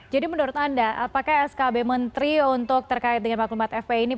jadi menurut anda apakah skb menteri untuk terkait dengan maklumat fpi ini